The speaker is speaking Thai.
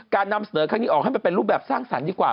นำเสนอครั้งนี้ออกให้มันเป็นรูปแบบสร้างสรรค์ดีกว่า